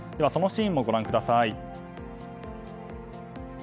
そのシーンもご覧ください。